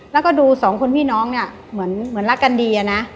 แล้วก็ดูสองคนพี่น้องเหมือนรักกันดี